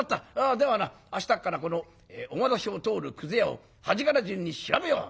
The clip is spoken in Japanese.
ではな明日からこのお窓下を通るくず屋を端から順に調べよう！」